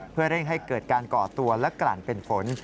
เพื่อเร่งให้เกิดการก่อตัวและกลั่นเป็นฝน